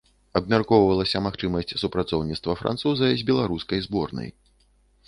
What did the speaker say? Абмяркоўвалася магчымасць супрацоўніцтва француза з беларускай зборнай.